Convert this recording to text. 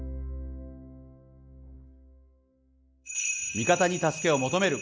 味方に助けを求める！